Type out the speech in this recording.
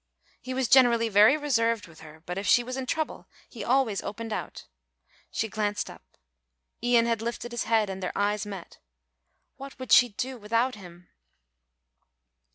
He was generally very reserved with her; but if she was in trouble he always opened out. She glanced up. Ian had lifted his head and their eyes met. What would she do without him?